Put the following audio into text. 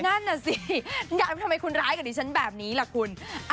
นั่นน่ะสิทำไมคุณร้ายกับดิฉันแบบนี้ล่ะคุณ